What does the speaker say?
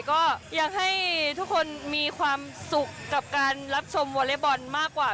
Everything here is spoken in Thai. ก็อยากให้ทุกคนมีความสุขกับการรับชมวอเล็กบอลมากกว่า